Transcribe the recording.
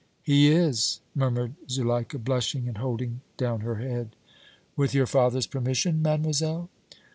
"He is," murmured Zuleika, blushing and holding down her head. "With your father's permission, mademoiselle?"